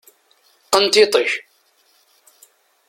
Qqen tiṭ-ik!